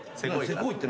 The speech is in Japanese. せこいって。